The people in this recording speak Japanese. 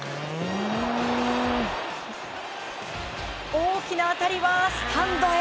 大きな当たりはスタンドへ。